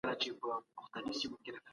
مطالعه له رنګینیو پیل کېږي او فکر رغوي.